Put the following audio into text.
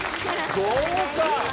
豪華！